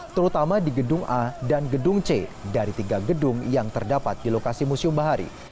terutama di gedung a dan gedung c dari tiga gedung yang terdapat di lokasi museum bahari